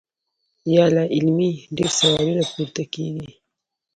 يا لا علمۍ ډېر سوالونه پورته کيږي -